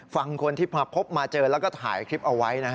ฟังคนที่มาพบมาเจอแล้วก็ถ่ายคลิปเอาไว้นะฮะ